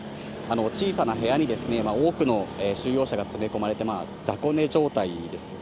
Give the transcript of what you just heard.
小さな部屋に多くの収容者が詰め込まれて、雑魚寝状態ですよね。